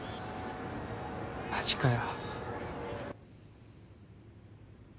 マジかよ。